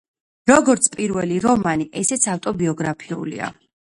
როგორც პირველი რომანი, ესეც ავტობიოგრაფიულია.